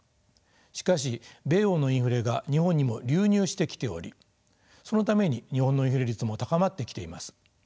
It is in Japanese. しかし米欧のインフレが日本にも流入してきておりそのために日本のインフレ率も高まってきています。